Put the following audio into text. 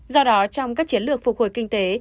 do đó trong các chiến lược phục hồi kinh tế